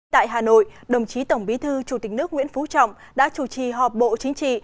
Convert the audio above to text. tại hà nội đồng chí tổng bí thư chủ tịch nước nguyễn phú trọng đã chủ trì họp bộ chính trị